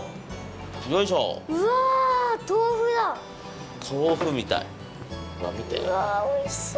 うわおいしそう！